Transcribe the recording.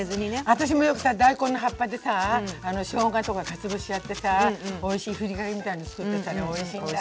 私もよくさ大根の葉っぱでさしょうがとかかつ節やってさおいしいふりかけみたいの作ってさあれおいしいんだ。